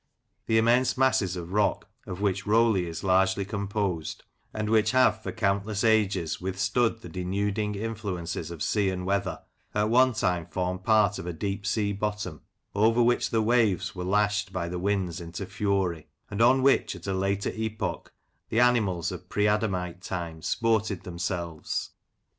The immense masses of rock of which Rowley is largely composed, and which have for countless ages withstood the denuding influences of sea and weather, at one time formed part of a deep sea bottom, over which the waves were lashed by the winds into fury ; and on which, at a later epoch, the animals of pre adamite time sported them selves.